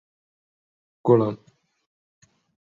گوڵم!